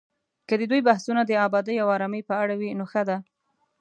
که د دوی بحثونه د ابادۍ او ارامۍ په اړه وي، نو ښه دي